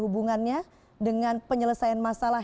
hubungannya dengan penyelesaian masalah